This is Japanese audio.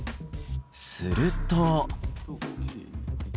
すると。